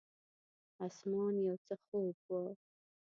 اسمان یو څه خوپ و.